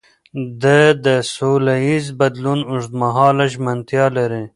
ده د سولهییز بدلون اوږدمهاله ژمنتیا لري.